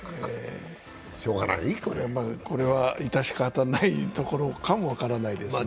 これは致し方ないところかも分からないですね。